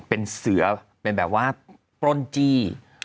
เป็นเสือเป็นแบบว่าปล้นจี้